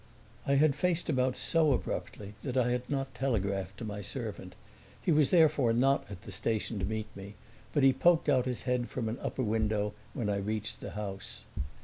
I had faced about so abruptly that I had not telegraphed to my servant. He was therefore not at the station to meet me, but he poked out his head from an upper window when I reached the house.